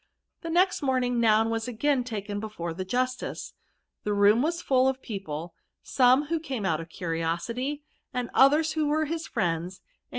The next morning, Noun was again taken before the justice ; the room was fnll c^ people ; some who came out of curiosity, and others who were his friends,, and.